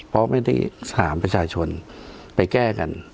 เพราะไม่ได้สามปัจฉนไปแก้กัน